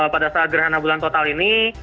pada saat gerhana bulan total ini